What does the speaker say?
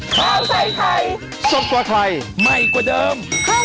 สวัสดีครับ